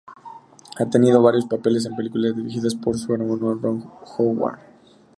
Ha tenido varios papeles en películas dirigidas por su hermano, Ron Howard.